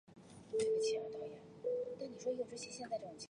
寺内主要殿堂皆为歇山黑琉璃筒瓦顶。